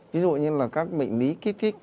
ví dụ như là các bệnh lý kích thích